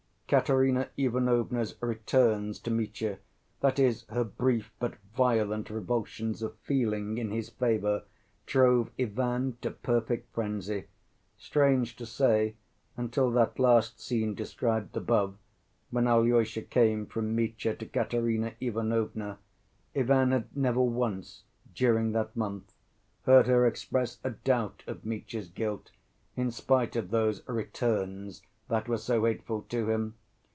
Katerina Ivanovna's "returns" to Mitya, that is, her brief but violent revulsions of feeling in his favor, drove Ivan to perfect frenzy. Strange to say, until that last scene described above, when Alyosha came from Mitya to Katerina Ivanovna, Ivan had never once, during that month, heard her express a doubt of Mitya's guilt, in spite of those "returns" that were so hateful to him.